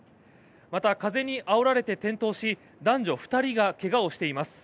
また、風にあおられて転倒し男女２人が怪我をしています。